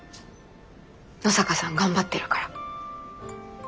野坂さん頑張ってるから。